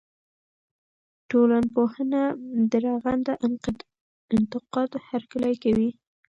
ټولنپوهنه د رغنده انتقاد هرکلی کوي.